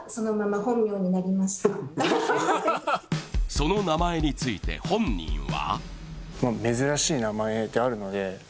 その名前について、本人は。